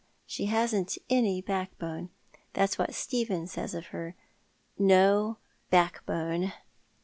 She hasn't any backbone. That's what Stephen says of her, 'No back bone.'